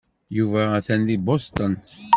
Yuba atan deg Boston.